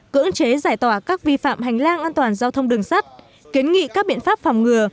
cưỡng chế giải tỏa các vi phạm hành lang an toàn giao thông đường sắt kiến nghị các biện pháp phòng ngừa